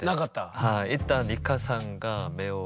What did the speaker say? はい。